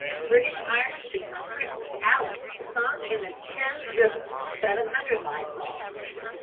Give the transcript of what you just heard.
British iron steamer Princess Alice sunk in the Thames River; 700 lives lost.